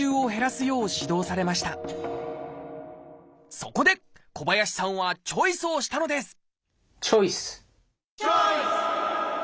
そこで小林さんはチョイスをしたのですチョイス！